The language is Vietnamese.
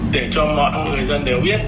để cho mọi người dân đều biết